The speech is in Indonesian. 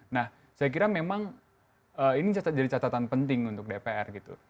nah saya kira memang ini jadi catatan penting untuk dpr gitu